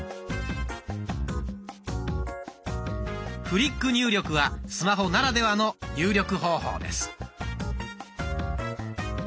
フリック入力はスマホならではの入力方法です。